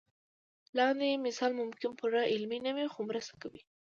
لاندې مثال ممکن پوره علمي نه وي خو مرسته کوي.